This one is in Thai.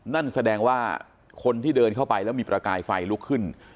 นั่นแสดงว่าคนที่เดินเข้าไปแล้วมีประกายไฟลุกขึ้น